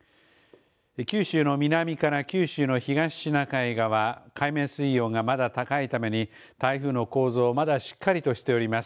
九州の南から九州の東シナ海側は海面水温がまだ高いために台風の構造まだしっかりとしております。